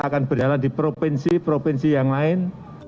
akan berjalan di provinsi provinsi yang lain